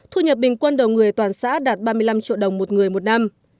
thu nhập bình quân đầu người toàn xã đạt ba mươi năm triệu đồng một người một năm